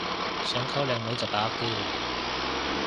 想溝靚女就把握機會